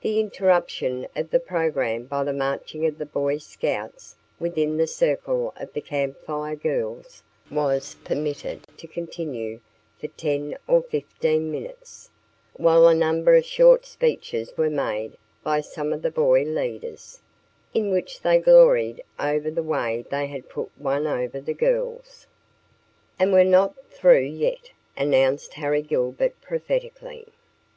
The interruption of the program by the marching of the Boy Scouts within the circle of the Camp Fire Girls was permitted to continue for ten or fifteen minutes, while a number of short speeches were made by some of the boy leaders, in which they gloried over the way they had "put one over on the girls." "And we're not through yet," announced Harry Gilbert prophetically.